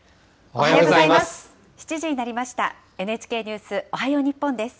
おはようございます。